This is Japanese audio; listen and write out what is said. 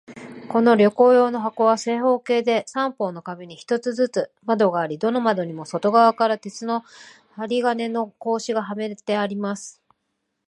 この旅行用の箱は、正方形で、三方の壁に一つずつ窓があり、どの窓にも外側から鉄の針金の格子がはめてあります。